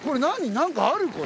何かある？